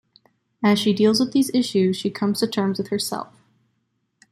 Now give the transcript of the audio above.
As she deals with these issues, she comes to terms with herself.